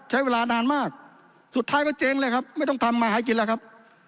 ใช้เวลานานมากสุดท้ายก็เจ๊งเลยครับไม่ต้องทำมาหากินแล้วครับ